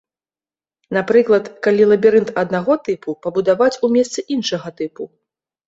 Напрыклад, калі лабірынт аднаго тыпу пабудаваць у месцы іншага тыпу?